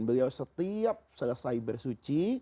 beliau setiap selesai bersuci